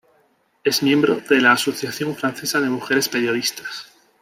Es miembro de la Asociación Francesa de Mujeres Periodistas.